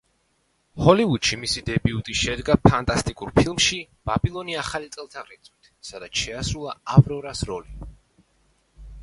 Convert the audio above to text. ჰოლივუდში მისი დებიუტი შედგა ფანტასტიკურ ფილმში „ბაბილონი ახალი წელთაღრიცხვით“, სადაც შეასრულა „ავრორას“ როლი.